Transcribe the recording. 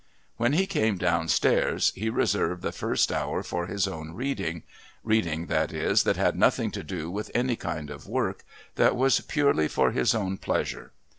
When he came downstairs he reserved the first hour for his own reading, reading, that is, that had nothing to do with any kind of work, that was purely for his own pleasure.